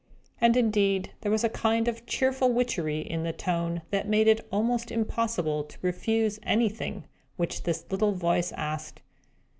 And, indeed, there was a kind of cheerful witchery in the tone, that made it almost impossible to refuse anything which this little voice asked.